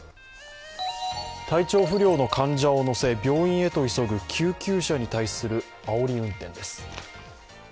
体調不良の患者を乗せ病院へと急ぐ救急車に対するあおり運転です。